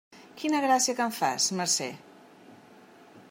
Quina gràcia que em fas, Mercè!